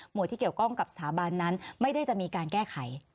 ที่เกี่ยวข้องกับสถาบันนั้นไม่ได้จะมีการแก้ไข